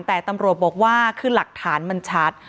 แต่ตำรวจบอกว่าคือหลักฐานมันชัด